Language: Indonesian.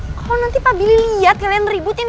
kalau nanti pak billy lihat kalian ributin